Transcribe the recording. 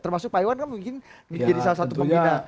termasuk pak iwan kan mungkin jadi salah satu pembina